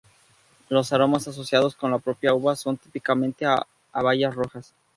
Los aromas asociados con la propia uva son típicamente a bayas rojas.